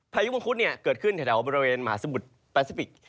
พายุมังคุดเกิดขึ้นแถวบริเวณมหาสมุทรแปซิฟิก